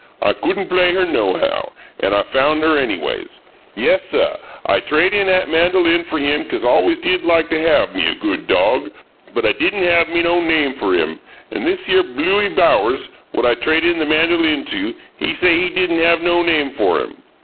I couldn' play her nohow, an' I found her, anyways. Yes suh, I trade in 'at mandoline fer him 'cause always did like to have me a good dog but I d'in' have me no name fer him; an' this here Blooie Bowers, what I trade in the mandoline to, he say HE d'in have no name fer him.